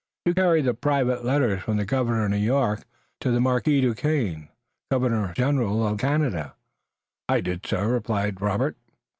You carried the private letters from the Governor of New York to the Marquis Duquesne, Governor General of Canada?" "I did, sir," replied Robert.